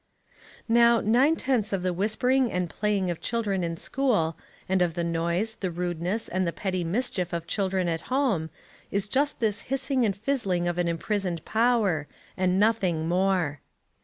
Now, nine tenths of the whispering and playing of children in school, and of the noise, the rudeness, and the petty mischief of children at home, is just this hissing and fizzling of an imprisoned power, and nothing more.